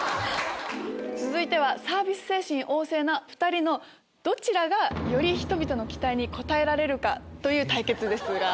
続いてはサービス精神旺盛な２人のどちらがより人々の期待に応えられるか？